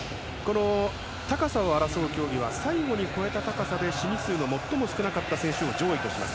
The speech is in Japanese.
高さを争う競技は最後に越えた高さで試技数の最も少なかった選手を上位とします。